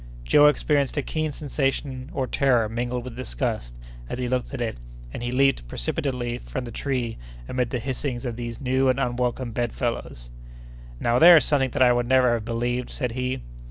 Joe experienced a keen sensation or terror mingled with disgust, as he looked at it, and he leaped precipitately from the tree amid the hissings of these new and unwelcome bedfellows. "Now, there's something that I would never have believed!" said he.